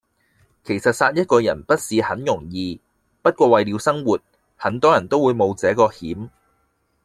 其實殺一個人不是很容易，不過為了生活，很多人都會冒這個險。